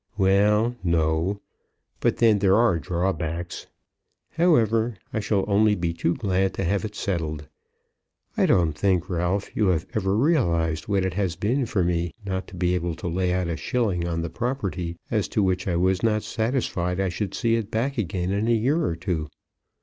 "Well, no; but then there are drawbacks. However, I shall only be too glad to have it settled. I don't think, Ralph, you have ever realised what it has been for me not to be able to lay out a shilling on the property, as to which I was not satisfied that I should see it back again in a year or two."